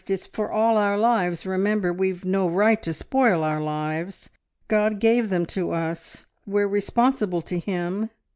It's for all our lives, remember. ... We've no right to spoil our lives. God gave them to us; we're responsible to Him.